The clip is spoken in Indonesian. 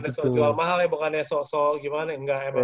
buatnya soal jual mahal ya bukan soal gimana ya enggak emang